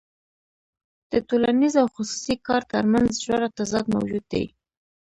د ټولنیز او خصوصي کار ترمنځ ژور تضاد موجود دی